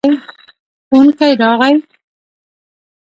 ښوونکی راغی.